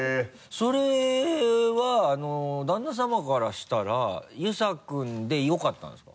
それは旦那さまからしたら「遊佐君」でよかったんですか？